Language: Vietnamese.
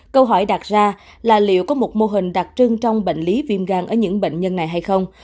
câu hỏi đặt ra là liệu có một mô hình đặc trưng trong bệnh lý viêm gan ở những bệnh nhân này hay không